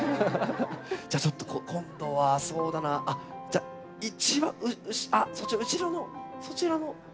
じゃあちょっと今度はそうだな。じゃあ一番そちら後ろのそちらの方。